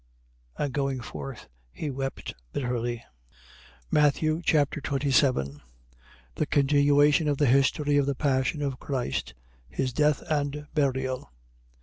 And going forth, he wept bitterly. Matthew Chapter 27 The continuation of the history of the passion of Christ. His death and burial.